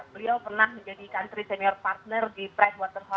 beliau pernah menjadi country senior partner di pride waterhouse super